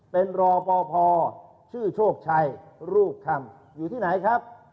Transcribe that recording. เป็นรอปภชื่อโชคชัยรูปคำอยู่ที่ไหนครับ